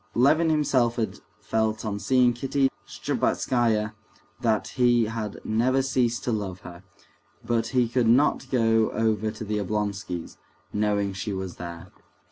Levin himself had felt on seeing Kitty Shtcherbatskaya that he had never ceased to love her; but he could not go over to the Oblonskys', knowing she was there.